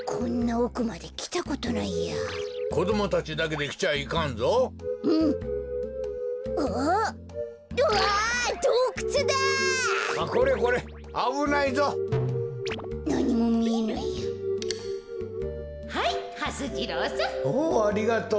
おおありがとう。